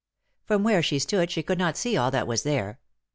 From where she stood she could not see all that was there.